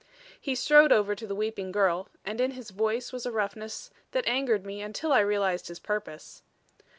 He strode over to the weeping girl, and in his voice was a roughness that angered me until I realized his purpose.